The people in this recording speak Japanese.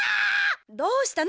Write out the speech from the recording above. どうしたの？